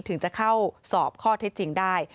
ถึงจะเข้าสอบข้อเท็จจริงได้